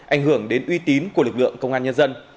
ảnh hưởng đến uy tín của lực lượng công an nhân dân